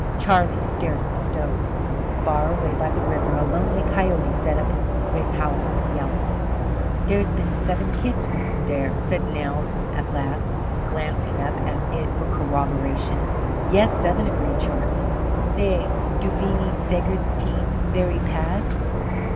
Charlie stared at the stove. Far away by the river a lonely coyote set up his quick, howling yelp. "Dere's been seven kids oop dere," said Nels at last, glancing up as it for corroboration. "Yes, seven," agreed Charlie. "Say, do ve need Seigert's team very pad?"